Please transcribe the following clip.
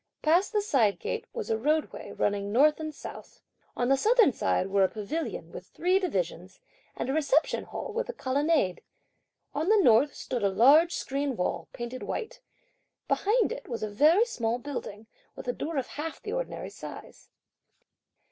Past the side gate, was a roadway, running north and south. On the southern side were a pavilion with three divisions and a Reception Hall with a colonnade. On the north, stood a large screen wall, painted white; behind it was a very small building, with a door of half the ordinary size.